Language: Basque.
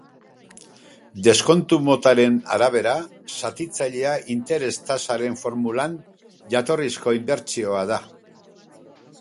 Deskontu motaren arabera, zatitzailea interes-tasaren formulan, jatorrizko inbertsioa da.